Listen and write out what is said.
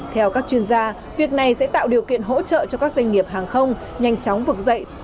theo các chuyên gia việc này sẽ tạo điều kiện hỗ trợ cho các doanh nghiệp hàng không nhanh chóng vực dậy